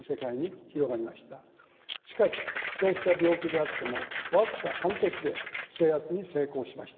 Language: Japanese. しかしそうした病気であっても僅か半年で制圧に成功しました。